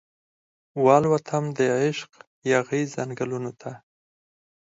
والوتم دعشق یاغې ځنګلونو ته